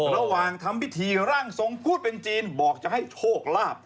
ระหว่างทำพิธีร่างทรงพูดเป็นจีนบอกจะให้โชคลาภ